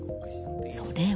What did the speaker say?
それは。